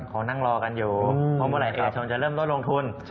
เขานั่งรอกันอยู่เพราะเมื่อไหรเอกชนจะเริ่มต้นลงทุน